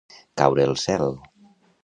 Caure el cel.